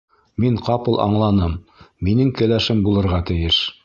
Мин ҡапыл аңланым: минең кәләшем булырға тейеш...